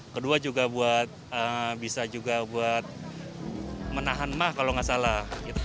kedua juga bisa juga buat menahan mah kalau nggak salah